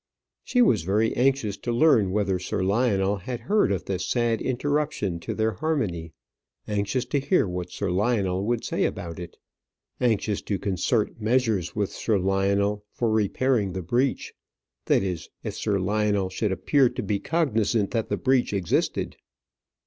She was very anxious to learn whether Sir Lionel had heard of this sad interruption to their harmony; anxious to hear what Sir Lionel would say about it; anxious to concert measures with Sir Lionel for repairing the breach that is, if Sir Lionel should appear to be cognizant that the breach existed.